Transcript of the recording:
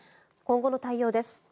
今後の対応です。